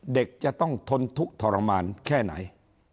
เด็กจะต้องทนทุกข์ทรมานแค่ไหน